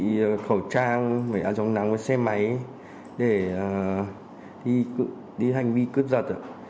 đi khẩu trang bị áp giống nắng với xe máy để đi hành vi cướp giật